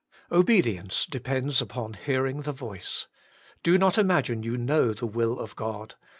6. Obedience depends upon hearing the voice. Do not imagine you know ths will of Qod.